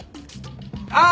あ！